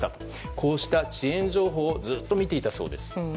こうした遅延情報をずっと見ていたそうです。